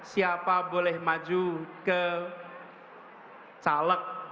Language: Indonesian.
siapa boleh maju ke caleg